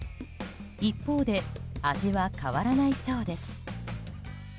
一方で味は変わらないそうです。